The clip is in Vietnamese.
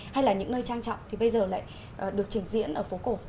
hay là những nơi trang trọng thì bây giờ lại được trình diễn ở phố cổ